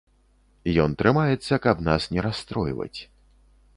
Ён трымаецца, каб нас не расстройваць.